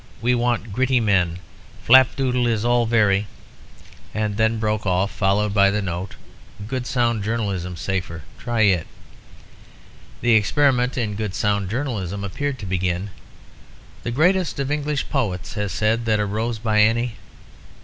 We want gritty men. Flapdoodle is all very ...;" and then broke off, followed by the note, "Good sound journalism safer. Try it." The experiment in good sound journalism appeared to begin "The greatest of English poets has said that a rose by any